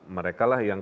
mereka lah yang